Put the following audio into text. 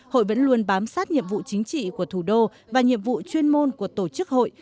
hội vẫn luôn bám sát nhiệm vụ chính trị của thủ đô và nhiệm vụ chuyên môn của tổ chức hội